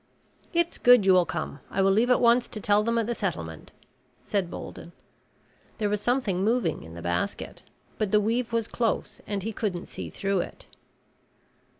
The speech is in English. "It's good you will come. I will leave at once to tell them at the settlement," said Bolden. There was something moving in the basket, but the weave was close and he couldn't see through it.